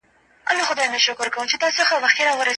انټرنیټ لرې پرتو سیمو ته پوهه رسوي.